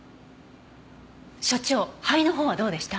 所長灰のほうはどうでした？